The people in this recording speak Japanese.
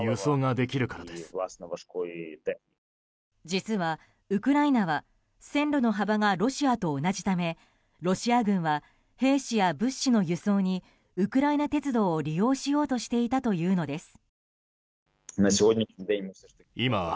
実はウクライナは線路の幅がロシアと同じためロシア軍は兵士や物資の輸送にウクライナ鉄道を利用しようとしていたというのです。